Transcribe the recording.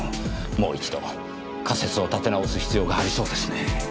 もう一度仮説を立て直す必要がありそうですねぇ。